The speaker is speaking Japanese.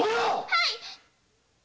はい。